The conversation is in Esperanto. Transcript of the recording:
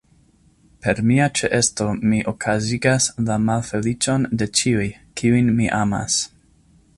Per mia ĉeesto mi okazigas la malfeliĉon de ĉiuj, kiujn mi amas.